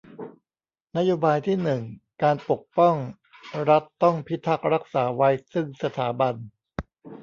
นโยบายที่หนึ่งการปกป้อง รัฐต้องพิทักษ์รักษาไว้ซึ่งสถาบัน